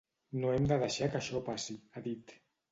No hem de deixar que això passi, ha dit.